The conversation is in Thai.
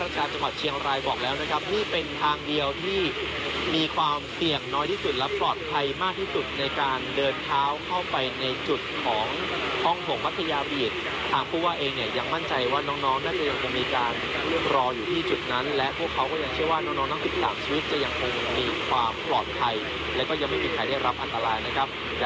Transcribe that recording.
ชาวจังหวัดเชียงรายบอกแล้วนะครับนี่เป็นทางเดียวที่มีความเสี่ยงน้อยที่สุดและปลอดภัยมากที่สุดในการเดินเท้าเข้าไปในจุดของห้องหงมัธยาบีตทางผู้ว่าเองเนี่ยยังมั่นใจว่าน้องน่าจะยังคงมีการรออยู่ที่จุดนั้นและพวกเขาก็ยังเชื่อว่าน้องทั้ง๑๓ชีวิตจะยังคงมีความปลอดภัยและก็ยังไม่มีใครได้รับอันตรายนะครับ